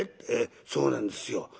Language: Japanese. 「ええそうなんですよ」。